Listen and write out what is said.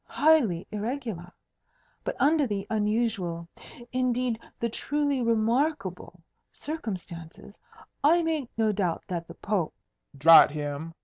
highly irregular. But under the unusual, indeed the truly remarkable, circumstances, I make no doubt that the Pope " "Drat him!"